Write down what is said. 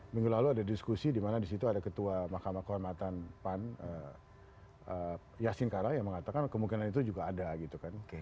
minggu lalu ada diskusi dimana disitu ada ketua mahkamah kehormatan pan yasin kara yang mengatakan kemungkinan itu juga ada gitu kan